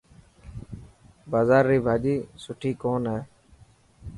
بازار ري ڀاڄي سٺي ڪون هي.